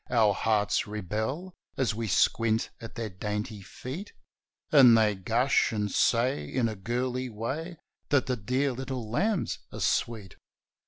(Our hearts rebel As we squint at their dainty feet.) And they gush and say in a girly way That ' the dear little lambs ' are ' sweet.'